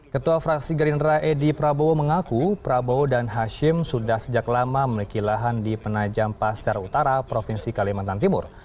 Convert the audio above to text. ketua fraksi gerindra edi prabowo mengaku prabowo dan hashim sudah sejak lama memiliki lahan di penajam pasteur utara provinsi kalimantan timur